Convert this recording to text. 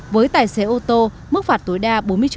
với tài xế ô tô mức phạt tối đa bốn mươi triệu